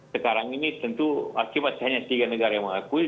sekarang ini tentu akibat hanya tiga negara yang mengakui